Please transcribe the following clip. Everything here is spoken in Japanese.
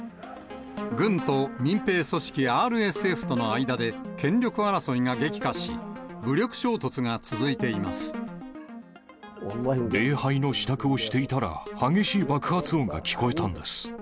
軍と民兵組織ＲＳＦとの間で権力争いが激化し、武力衝突が続いて礼拝の支度をしていたら、激しい爆発音が聞こえたんです。